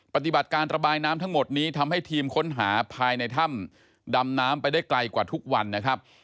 ปฏิบัติการระบายน้ำทั้งหมดนี้ทำให้ทีมค้นหาภายในถ้ำดำน้ำไปได้ไกลกว่าทุกวันนะครับ